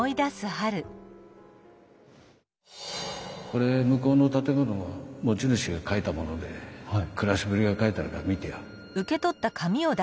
これ向こうの建物の持ち主が書いたもので暮らしぶりが書いてあるから見てよ。